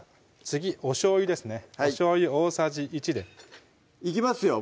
次おしょうゆですねおしょうゆ大さじ１でいきますよ